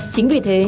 chính vì thế